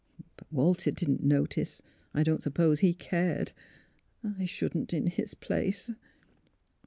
But Walter didn't notice. I don't suppose he cared. I shouldn't, in his place."